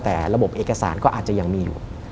แต่ระบบเอกสารก็อาจจะยังมีอยู่